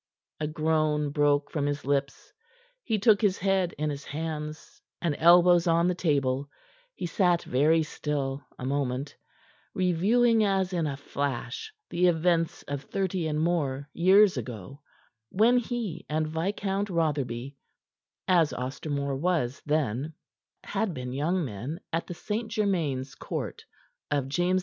A groan broke from his lips. He took his head in his hands, and, elbows on the table, he sat very still a moment, reviewing as in a flash the events of thirty and more years ago, when he and Viscount Rotherby as Ostermore was then had been young men at the St. Germain's Court of James II.